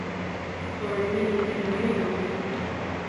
Hoberena egin nahi nuen, egokiena.